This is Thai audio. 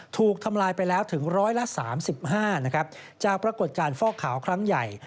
ถูกทำลายไปแล้วถึงร้อยละ๓๕นะครับจากปรากฏการณ์ฟอกขาวครั้งใหญ่